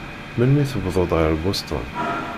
Melmi tewwḍeḍ ɣer Boston?